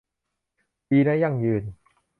ดีนะ ยั่งยืน